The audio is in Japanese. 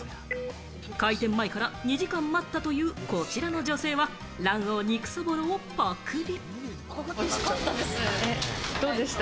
開店前から２時間待ったという、こちらの女性は「卵黄＋肉そぼろ」をパクリ。